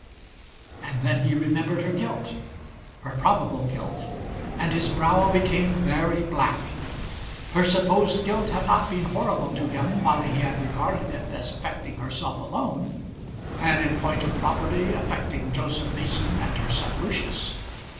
And then he remembered her guilt, her probable guilt, and his brow became very black. Her supposed guilt had not been horrible to him while he had regarded it as affecting herself alone, and in point of property affecting Joseph Mason and her son Lucius.